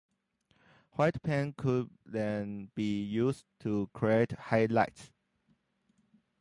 White paint could then be used to create highlights.